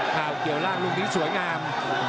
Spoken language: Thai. เกี่ยวล่างลูกนี้สวยงาม